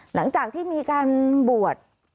หลังจากที่มีการบวช